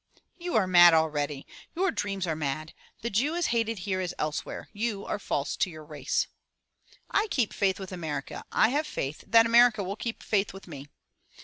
"You are mad already — your dreams are mad. The Jew is hated here as elsewhere. You are false to your race." "I keep faith with America. I have faith that America will keep faith with me."